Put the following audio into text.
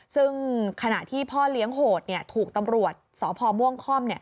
ซึ่งขณะที่พ่อเลี้ยงโหดถูกตำรวจสพม่วงค่อม